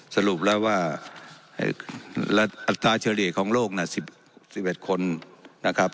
สรุปแล้วว่าอัตราเฉลี่ยของโลก๑๑คนนะครับ